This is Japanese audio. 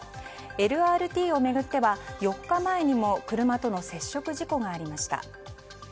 ＬＲＴを巡っては４日前にも車との接触事故がありました。